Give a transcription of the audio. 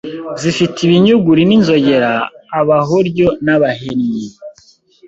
zifite ibinyuguri n’inzogera abahoryo n’abahennyi